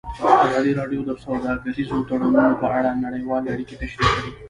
ازادي راډیو د سوداګریز تړونونه په اړه نړیوالې اړیکې تشریح کړي.